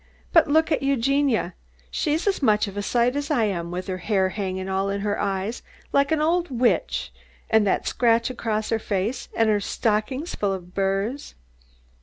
"But, look at Eugenia! She's as much of a sight as I am, with her hair hangin' all in her eyes, like an ole witch, and that scratch across her face, and her stockings full of burrs."